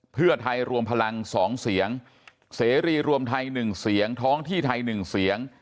เพื่อไทยรวมพลัง๒เสียงเสรีรวมไทย๑เสียงท้องที่ไทย๑เสียง